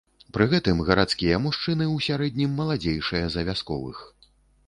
Пры гэтым гарадскія мужчыны ў сярэднім маладзейшыя за вясковых.